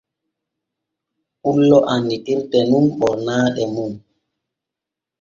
Pullo annitirte nun ɓornaaɗe nun.